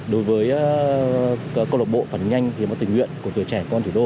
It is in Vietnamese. đối với cơ lộc bộ phần nhanh thì một tình nguyện của tuổi trẻ công an thủ đô